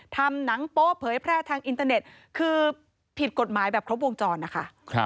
ทำหนังโป๊ะเผยแพร่ทางอินเตอร์เน็ตคือผิดกฎหมายแบบครบวงจรนะคะ